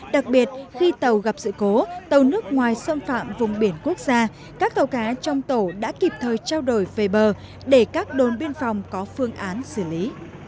đặc biệt khi tàu gặp sự cố tàu nước ngoài xâm phạm vùng biển quốc gia các tàu cá trong tổ đã kịp thời trao đổi về bờ để các đồn biên phòng có phương án xử lý